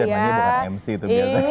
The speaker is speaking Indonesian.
temannya bukan mc itu biasa